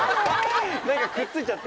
何かくっついちゃって。